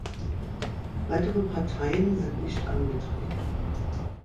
Weitere Parteien sind nicht angetreten.